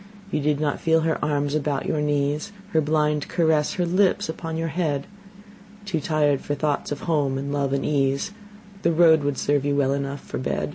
You did not feel her arms about your knees, Her blind caress, her lips upon your head: Too tired for thoughts of home and love and ease, The road would serve you well enough for bed.